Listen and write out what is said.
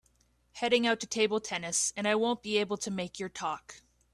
Heading out to table tennis and I won’t be able to make your talk.